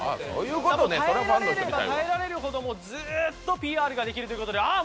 耐えられれば耐えられるほどずーっとＰＲができるということでああ